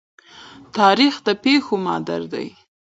تاریخ د پېښو مادر دی.